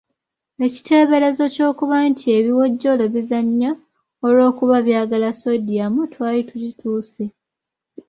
Ekiteeberezo ky’okuba nti ebiwojjolo bizannya olw’okuba byagala sodium twali tukituuse?